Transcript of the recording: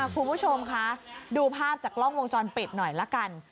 คุณผู้ชมคะดูภาพจากกล้องวงจรปิดหน่อยละกัน